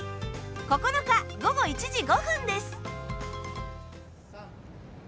９日、午後１時５分です。